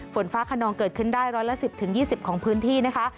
ฝนฟ้าขนองเกิดขึ้นได้ร้อยละ๑๐๒๐ของพื้นที่นะคะ